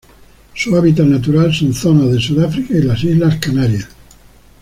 Su hábitat natural son zonas de Sudáfrica y las Islas Canarias.